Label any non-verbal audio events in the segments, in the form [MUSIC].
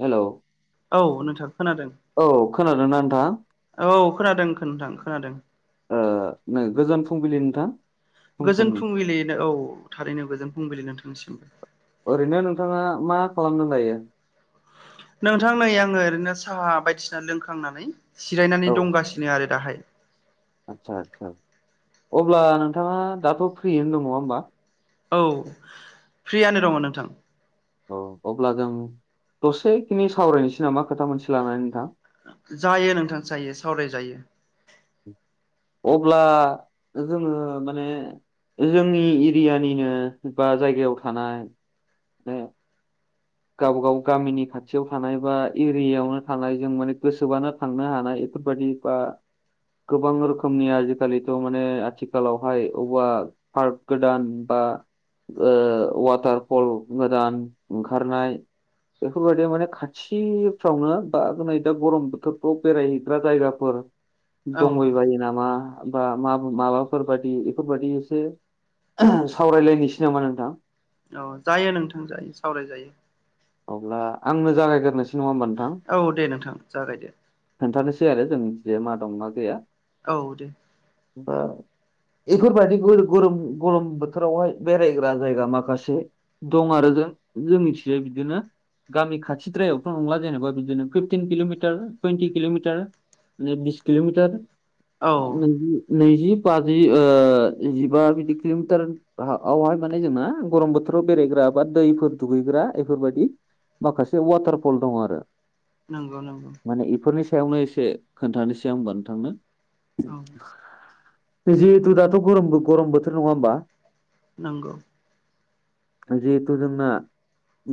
हेल' औ नोंथां खोनादों। औ खोनादोंना नोंथां औ खोनादों खोनादों खोनादों ओ नों गोजोन फुंबिलि नोंथां फुं गोजोन समनि फुंबिलिनो औ थारैनो गोजोन फुंबिलि नोंथांनिसिमबो ओरैनो नोंथाङा मा खालामदों दायो? नोंथां नै आङो ओरैनो साहा बायदिसिना लोंखांनानै जिरायनानै दंगासिनो आरो दाहाय आच्चसा आदचसा अब्ला नोंथाङा दाथ' फ्रियनो दङ नङा होमबा औ फ्रियानो दङ नोंथां औ अब्ला जों दसेखिनि सावरायनोसै नामा खोथा मोनसे लानानै नोंथां जायो नोंथां जायो सावराय जायो अब्ला जोङो माने- जोंनि एरियानिनो बा जायगायाव थानाय- गावबा गाव गामिनि खाथियाव थानाय बा एरियायावनो थानाय जों माने गोसोबानो थांनो हानाय बेफोरबायदि- बा गोबां रोखोमनि आजिखालिथ' माने आथिखालावहाय अबेबा पार्क गोदान बा वाटारफल गोदान- खारनाय बेफोरबायदि माने खाथिफ्रावनो बा नै दा गरम बोथोरफ्राव बेरायहैग्रा जायगाफोर- औ दंहैबायो नामा बा मा माबाफोर बायदि बेफोरबायदि एसे सावरायलायनोसै नामा नोंथां? औ जायो नोंथां जायो सावराय जायो अब्ला आंनो जागायग्रनोसै नङा होनमबा औ दे नोंथां जागाय दे खोन्थानोसै आरो जोंनि जाय मा दं मा गैया औ दे बा बेफोरबायदि गरम गरम बोथोरावहाय बेरायग्रा जायगा माखासे दं आरो जों जों मिथिबाय बिदि बिदिनो गामि खाथिद्रायावथ' नंला जेनेबा बिदिनो फिफटिन किल'मिटार टुइन्टि किल'मिटार म बिस किल'मिटार औ न नैजि बाजि ओ जिबा बिदि किल'मिटार औवहाय माने जोंना गरम बोथोर बेरायग्रा बा दै फोर दुगैग्रा बेफोरबायाददि माखासे वाटारफल दं आरो नंगौ नंगौ माने इफोरनि सायावनो एसे खोन्थानोसैं होनबा आं नोंथांनो औ जिहेतु दाथ' गरम गर बोथोर नङा होमबा नंगौ जिहेथु जोंना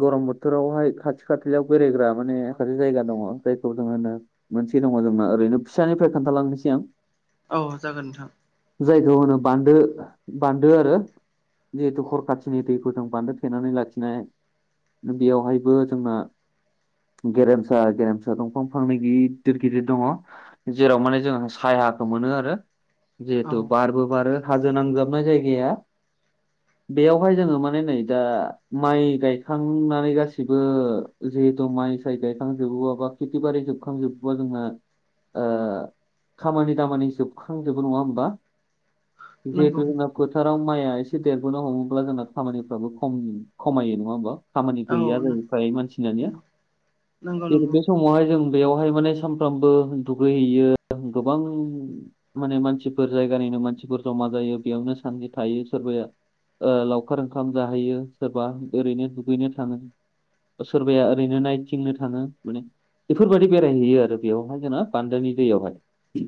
गरम बोथोरावहाय खाथि खालायाव बेरायग्रा माने माखासे जायगा दङ जायखौ जोङ होनो मोनसे दङ जोंना ओरैनो फिसानिफ्राय खोन्थालांनोसै आं औ जागोन नोंथां जायखौ होनो बान्दो बान्दो आरो जिहेथु खरखाथिनि दैखौ जों बान्दो थेनानै लाखिनाय बेयावहायबो जोंना गेरेमसा गेरेमसा दंफां फांनै गिदिर गिदिर दङ जेराव माने जोंहा सायाखौ मोनो आरो औ जिहेथु बारबो बारो हाजो नांजाबनाय जायगाया बेयावहाय जोङो माने नै दा माइ गाय थांनानै गासैबो जिहेथु माइ साय गायखां जोबोबा खेथि बारि जोबखांजोब बदोंङ [INAUDIBLE] खामानि दामानि जोबखांजोबो नङा होमबा नंगौ जिहेथु जोंना फोथाराव माइआ एसे देरबोनो हमोब्ला जोंना खामानिफ्राबो खम खमायो नङा होमबा खामानि औ गैया जाहै फ्राय मानसिया नंगौ जेरै नंगौ बे समावहाय जों बेयावहाय माने सानफ्रामबो दुगैहैयो गोबां माने मानसिफोर जायगानिनो मानसिफोर जमा जायो बेयावनो सान्थि थायो सोरबाया लावखार ओंखाम जाहैयो सोरबा ओरैनो दुगैनो थाङो सोरबाया ओरैनो नायथिंनो थाङो माने बेफोरबायदि बेरायहैयो आरो बेयावहाय जोंना बान्दोानि दैयावहाय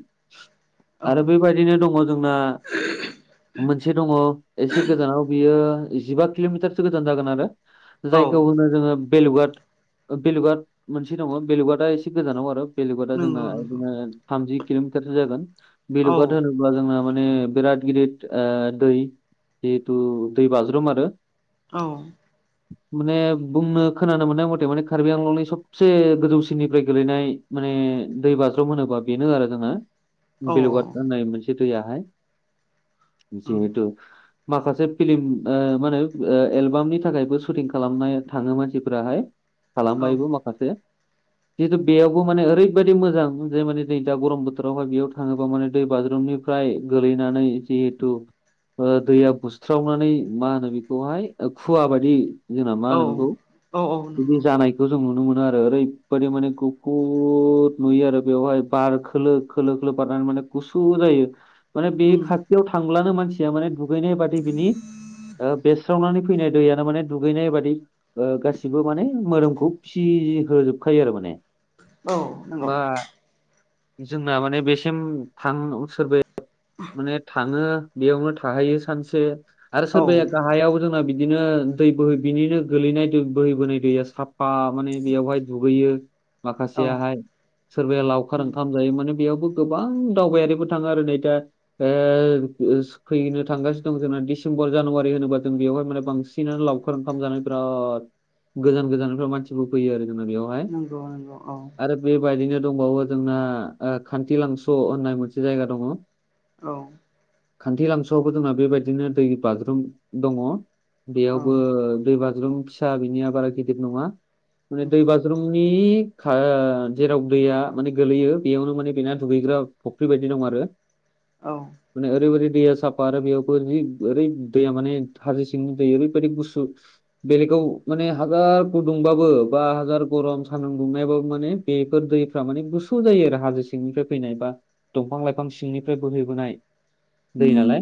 औ आरो बेबायदि ओरैनो दङ जोंना मोनसे दङ एसे गोजानाव बियो जिबा किल'मिटारसो गोजान जागोन आरो जायखौ औ होनो जोङो बेेलुगाट बेेलुगाट मोनसे दङ बेेलुगाटआ एसे गोजानाव आरो बेलुगुटा आ जोंना नंगौ नंगौ बिदिनो थामजि किल'मिटारसो जागोन औ बेलुगआ होन बा जोंना माने बिराद गिदद दै जिहेथु दै बाज्रुम आरो औ माने बुंनो खोनानो मोननाय मथे माने कार्बि आंलंनि सबसे गोजौसिननिफ्राय गेलैनाय माने दै बाज्रोम होनोबा बेनो आरो जोङो औ बेलेगाद होननाय मोनसे दैयाहाय जिहेथु माखासे फिल्म ओ मा होनो एलबामनि थाखायबो सुटिं खालामनाय थाङो मानसिफोराहाय खालामबायबो माखासे जिहेथु बेयावबो माने ओरैबायदि मोजां जे माने दै दा गरम बोथोरावहाय बेयाव थाङोबा माने दै बाज्रुमनि फ्राय गोलैनानै जिहेथु दैया बुस्रावनानै मा होनो बेखौहाय खुवा बायदि जोंना मा औ होनो बेखौ औ बिदि नंगौ जानाय बेखौ जों नुनो मोनो आरो ओरैबायादि माने गुफुुर नुयो आरो बेवहाय बार खोलो खोलो खोलो बारनानै माने गुसु जायो माने बे उम खाथियाव थांबानो मानसि मे दुगैनाय बादि बिनि बेस्रावनानै फैनाय दैयनो माने दुगैनाय बादि गासिबो माने मोदोमखौ फिसि होजोबखायो आरो माने औ नंगौ जोंना माने बेसिम थां सोरब माने थाङो बेयावनो थाहैयो सानसे आरो औ सोरबाया गाहायाव जोंना बिदिनो दै बोहै बिनिनो गोलैनाय दै बोहै बोहै दैया साफा माने बेयावहाय दुगैयो। औ माखासेयाहाय सोरबाया लावखार ओंखाम जायो माने बेयावबो गोबां दावबायारिबो थाङो आरो नै दा फैनो थांगासिनो दं जोंना डिसेम्बर जानुवारि होनोबा जों बेवहाय माने बांसिन सिनानै लावखार ओंखाम जानाय बिराद गोजान गोजाननिफ्राय मानसिबो फैयो आरो जोंना बेयाव नंगौ नंगौ औ बेबायदिनो दंबावो जोंना खान्थिलांस' होननाय मोनसे जायगा दङ। औ खान्थि लांसुआवबो जोंना बेबायदिनो दै बाथुरुम दङ औ बेयावबो दै बाथ फिसा बिनियाबा गिदिर नङा माने दै बाज्रुम आंनि जेराव दैया माने गोलैयो बेयावनो माने बेना दुगैग्रा फुख्रि बायदि दं आरो। औ नंगौ औ माने ओरैबायै दैया साफा आरो बेयाव जि ओरै दैया माने हाज दैआ ओरैबादि गुसु बेलेगाव माने हाजार गुदुंबाबो बा हाजार गरम सानुं दुंनायबाबो माने बेफोर दैफ माने गुसु जायो आरो हाजो सिंनिफ्राय फैनाय बा दंफां-लाइफां सिंनिफ्राय बोहैबोनाय दै नालाय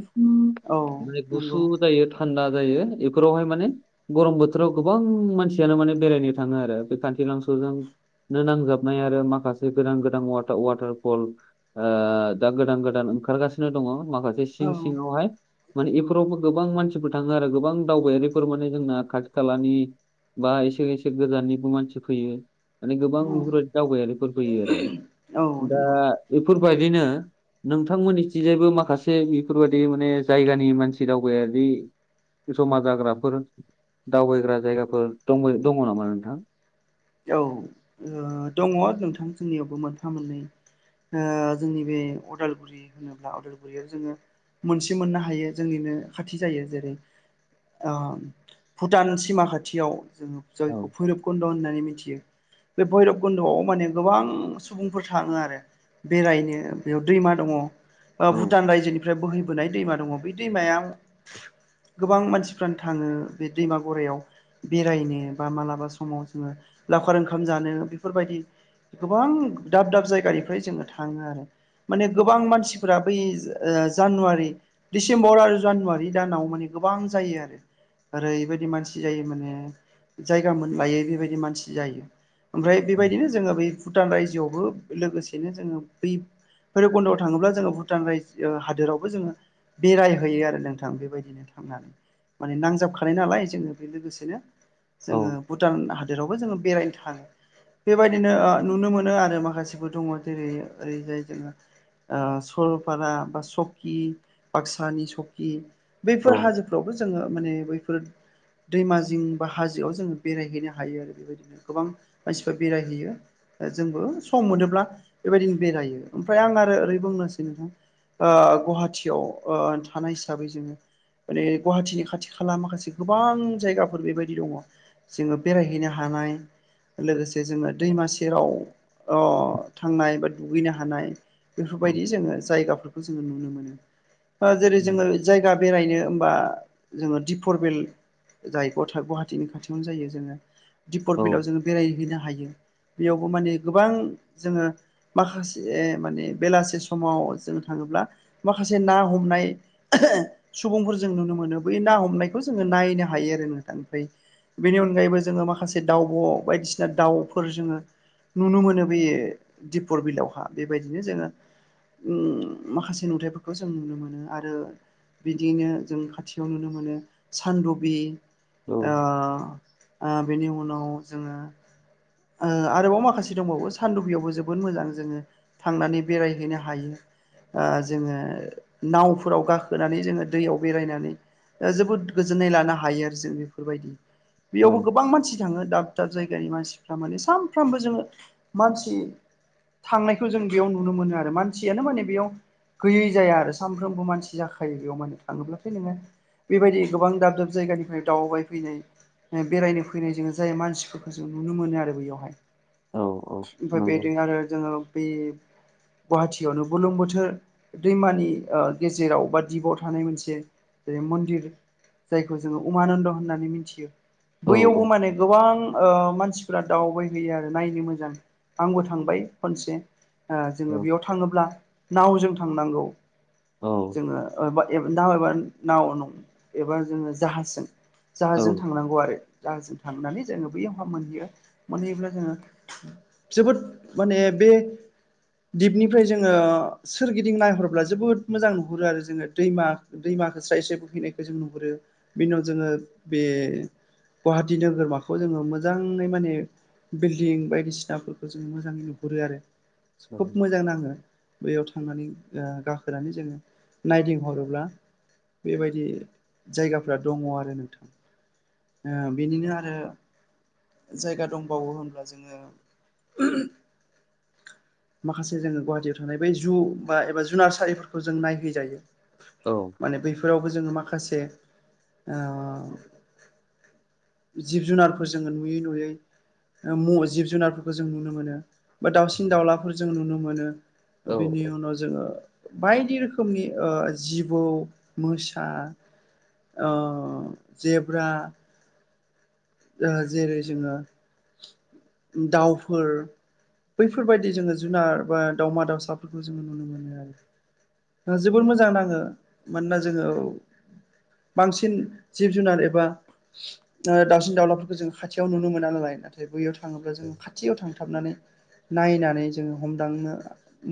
औ माने नंगौ औ गुसु जायो थान्दा जायो बेफोरावहाय माने गरम बोथोराव गोबां मानसियानो माने बेरायनो थाङो आरो बे खान्थि लांसुजों नो नांजाबनाय आरो माखासे गोदान गोदान व वाटारफल दा गोदान गोदान ओंखारगासिनो दङ माखासे सिं दङ सिंवाहाय माने बेफोरावबो गोबां मानसिफोर थाङो आरो गोबां दावबायारिफोर माने जोंना खाथि खालानि बा एसे एसे गोजाननिबो मानसि फैयो माने गोबां बेफोरबायदि दावबायारिफोर फैयो आरो। दा बेफोरबायदिनो नोंथांमोननिथिंजायबो माखासे बेफोरबायाददि माने जायगानि मानसि दावबायारि जमा जाग्राफोर दावबायग्रा जायगाफोर दं दङ नामा नोंथां? औ दङ नोंथां जोंनियावबो मोनफा मोननै जोंनि बे अदालगुरि होनोब्ला अदालगुरियाव जोङो मोनसे मोननो हायो जोंनिनो खाथि जायो जेरै भुटान सिमा खाथियाव जोङो औ जायखौ भैरबखुन्द' होननानै मिथि मिथियो बे भैरब गुन्द'आव माने गोबां सुबुंफोर थाङो आरो बेरायनो बेयाव दैमा दङ। औ भुटान रायजोनिफ्राय बोहैबोनाय दैमा दङ बे दैमायाव गोबां मानसिफ्रानो थाङो बे दैमा गरायाव बेरायनो बा मालाबा समाव जोङो लावखार ओंखाम जानो बेफोरबायदि गोबां दाब-दाब जायगानिफ्राय जोङो थाङो आरो। माने गोबां मानसिफोरा बै जानुवारि दिडिसेम्बर आरो जानुवारि दानाव माने गोबां जायो आरो। ओरैबायदि मानसि जायो माने जायगा मोनलायै बेबायदि मानसि जायो ओमफ्राय बेबायदिनो जोङो बै भुटान रायजोआवबो लोगोसेनो जोङो बै भैरबकन्द'आव थाङोब्ला जोङो भुटान रायजो हादोरावबो जोङो बेरायहोयो आरो नोंथां बेबायदिनो थांनानै माने नांजाबखानाय नालाय जोङो बे लोगोसेनो औ जोङो भुटान हादोरावबो जोङो बेरायनो थाङो बेबायदिनो नुनो मोनो आरो माखासेबो दङ जेरै ओरैजाय जोो सरलपारा बा सकि बाक्सानि सकि औ बैफोर हाजोफ्रावथ' जोङो माने बैफोर दैमाजं बा हाजोआव जोङो बेरायहैनो हायो आरो बेबायदिनो गोबां मानसिफ्रा बेरायहैयो जोंबो सम मोनोब्ला बेबायदिनो बेरायो ओमफ्राय आं आरो ओरै बुंनोसै नोंथां गुवाहाटिीयाव थानाय हिसाबै जोङो माने गुवाहाटिीनि खाथि खाला माखासे गोबां जायगाफोर बेबायदि दङ जोङो बेरायहैनो हानाय लोगोसे जोङो दैमा सेराव थांनाय बा दुगैनो हानाय बेफोरबायदि जोङो जायगाफोरखौ जोङो नुनो मोनो जेरै जोङो जायगा बेरायनो होमबा जोङो दिपरबेल जाय ग गुवाहाटीनि खाथियावनो जायो जोङो दिपर औ बिलायाव जोङो बेरायहैनो हायो बेयावबो माने गोबां जोङो माखासे माने बेलासि समाव जों थाङोब्ला माखासे ना हमनाय सुबुंफोर जों नुनो मोनो बै ना हमनायखौ जोङो नायनो हायो आरो नोंथांनिफ्राय बेनि अनगायैबो जोङो माखासे दावउब' बायदिसिना दाउफोर जोङो नुनो मोनो बेयो दिपर बिलआवहा बेबायदिनो जोङो माखासे नुथायाइफोरखौ जों नुनो मोनो आरो बिदियैनो जों खाथियाव नुनो मोनो सानदबि औ बेनि उनाव जोङो आरोबाव माखासे दंबावो सान्दुफयावबो जोबोद मोजां जोङो थांनानै बेरायहैनो हायो जोङो नावफोराव गाखोनानै जोङो दैयाव बेरायनानै जोबोद गोजोननाय लानो हायो आरो जों बेफोरबायदि बेयावबो औ गोबां मानसि थाङो दाब दाब जायगानि मानसिफ माने सानफ्रामबो जोङो मानसि थांनायखौ जों बेयाव नुनो मोनो आरो मानसियानो माने बेयाव गैयै जाया आरो सानफ्रोमबो मानसि जाखायो बेयाव माने थाङोब्लाथाय नोङो बेबायदि गोबां दाब दाब जायगानिफ्राय दावबाय फैनाय बेरायनो फैनायजों जाय मानसिफोरखौ जों नुनो मोनो आरो बैयावहाय औ औ ओमफफ्राय नंगौ बेदिनो आरो जोङो बे गुवाहाटिीयावनो बुलोम बोथोर दैमानि गेजेराव बा दिपआव थानाय मोनसे जेरै मन्दिर जायखौ जोङो उमानन्द होननानै मिथियो औ बैयावबो माने गोबां मानसिफोरा दावबायहैयो आरो नायनो मोजां आंबो थांबाय खनसे जोङो औ बेयाव थाङोब्ला नावजों थांनांगौ औ जोङोा नाबा नावनं एबा जोङो जाहाजजों औ जाहाजों थांनांगौ आरो जाहाजों थांनानै जोङो बैयावहा मोनहैयो मोनहैयोब्ला जोङो जोबोद माने बे दिपनिफ्राय जोङो सोरगिदिं नायहर्ला जोबोद मोजां नुहुरो आरो जोङो दैमा दैमाखौ स्राय स्राय एसे बोहैनायखौ जों नुहुरो बिनि उनाव जोङो बे दिनो गोरमाखौ जोङो मोजाङै माने बिल्डिं बायदिसिनाफोरखौ जों मोजाङै नुहुरो आरो खोब मोजां नाङो बैयाव थांनानै गाखोनानै जोङो नायदिंहरोब्ला बेबायदि जायगाफ्रा दङ आरो नोंथां बेनिनो आरो जायगा दंबावो होनब्ला जोङो [INAUDIBLE] [INAUDIBLE] [INAUDIBLE] [INAUDIBLE] माखासे जोङो गुवाहाटियाव थानाय बै जु बा एबा जुनारसारिफोरखौ जों नायहैजायो। औ। माने बैफोरावबो जोङो माखासे ओ जिब जुनारफोर जोङो नुयै नुयै जिब ओ म जुनारफोरखौ जों नुनो मोनो। बा दाउसिन दाउलाफोर जों नुनो मोनो औ बेनि औ नंगौ अन उ जोङो बायदि रोखोमनिओ जिबौ मोसा। ओ जेब्रा ओ जेरै जोङो दाउफोर बैफोरबायादि जोङो जुनार बा दावमा दाउसाफोरखौ जोङो नुनो मोनो आरो। ओ जोबोद मोजां नाङो मानोना जोङोऔ। बांसिन जिब जुनार एबा दावसिन दाउलाफोरखौ जों खाथियाव नुनो मोना नालाय। नाथाय बैयाव थाङोब्ला जोंङो खाथियाव थांथाबनानै। नायनानै जोङो हमदांनो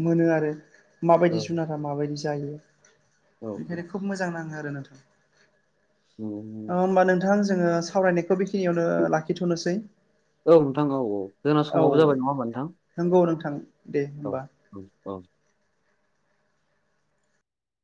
मोनो आरो माबायदि नंगौ जुनार। माबायदि जायो औ बेखायनो खोब मोजां नाङो आरो नोंथां। औ। अ होमबा नोंथां जोङो सावरायनायखौ बेखिनियावनो लाखिथ'नोसै। औ नोंथां औ औ जोंना औ समाबो जाबाय नङा होमबा नोंथां नंगौ नोंथां दे औ होमबा औ औ।